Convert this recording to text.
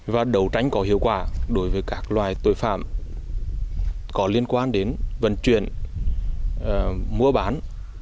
và đấu tranh có hiệu quả đối với các loài tội phạm có liên quan đến vận chuyển mua bán